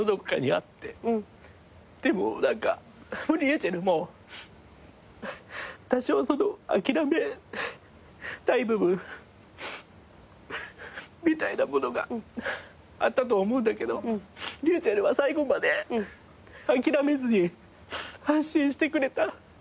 でもｒｙｕｃｈｅｌｌも多少諦めたい部分みたいなものがあったと思うんだけどｒｙｕｃｈｅｌｌは最後まで諦めずに発信してくれた。